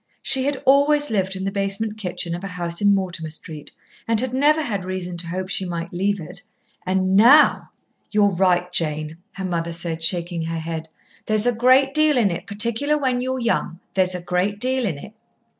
She had always lived in the basement kitchen of a house in Mortimer Street and had never had reason to hope she might leave it. And now! "You're right, Jane!" her mother said, shaking her head. "There's a great deal in it, particular when you're young. There's a great deal in it."